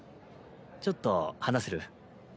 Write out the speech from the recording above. ちょっと話せる？